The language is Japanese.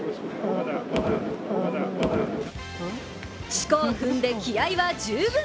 しこを踏んで気合いは十分。